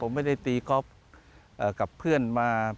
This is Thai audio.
ผมไม่ได้ตีกอล์ฟกับเพื่อนมาประจำ